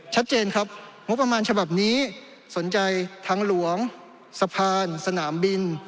ชัดเจนครับงบประมาณฉบับนี้สนใจทางหลวงสะพานสนามบิน